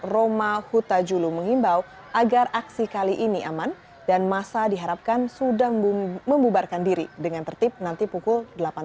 roma huta julu menghimbau agar aksi kali ini aman dan masa diharapkan sudah membubarkan diri dengan tertib nanti pukul delapan belas